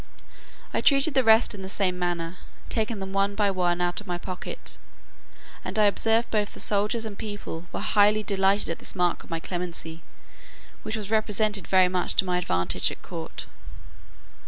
I treated the rest in the same manner, taking them one by one out of my pocket; and I observed both the soldiers and people were highly delighted at this mark of my clemency, which was represented very much to my advantage at court.